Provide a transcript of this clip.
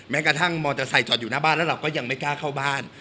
กระทั่งมอเตอร์ไซค์จอดอยู่หน้าบ้านแล้วเราก็ยังไม่กล้าเข้าบ้าน